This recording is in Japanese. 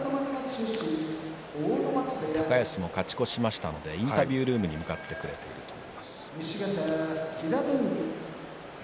高安も勝ち越しましたのでインタビュールームに向かってくれていると思います。